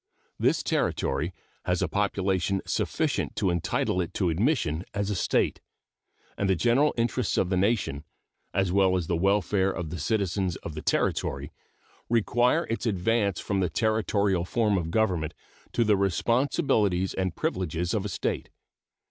This Territory has a population sufficient to entitle it to admission as a State, and the general interests of the nation, as well as the welfare of the citizens of the Territory, require its advance from the Territorial form of government to the responsibilities and privileges of a State.